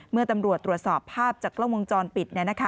เมื่อตำรวจตรวจสอบภาพจากกล้องวงจรปิด